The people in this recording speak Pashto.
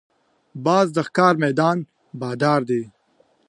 باز د ښکار میدان بادار دی